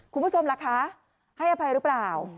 คุณผู้ชมล่ะคะให้อภัยหรือเปล่า